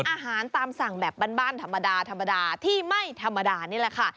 อาหารตามสั่งแบบบ้านธรรมดาธรรมดาที่ไม่ธรรมดานี่แหละค่ะ